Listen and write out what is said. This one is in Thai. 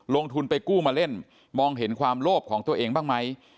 ลงทุนไปกู้มาเล่นมองเห็นความโลภของตัวเองบ้างไหม